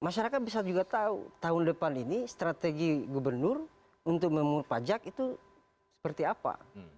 masyarakat bisa juga tahu tahun depan ini strategi gubernur untuk memulai pajak itu seperti apa